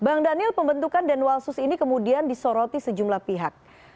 bang daniel pembentukan denwalsus ini kemudian disoroti sejumlah pihak